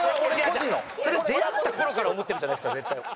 いやそれ出会った頃から思ってるじゃないですか絶対。